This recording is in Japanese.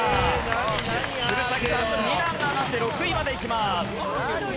鶴崎さん２段上がって６位までいきます。